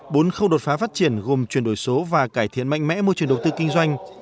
bốn khâu đột phá phát triển gồm chuyển đổi số và cải thiện mạnh mẽ môi trường đầu tư kinh doanh